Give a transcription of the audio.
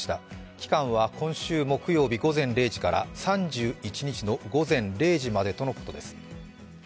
期間は今週木曜日午前０時から３１日の午前０時までとのことです。